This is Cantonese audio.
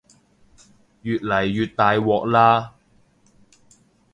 越嚟越大鑊喇